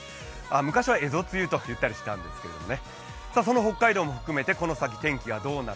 昔は、えぞ梅雨と言ったりするんですけどね。